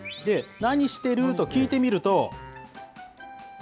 何してる？と聞いてみると。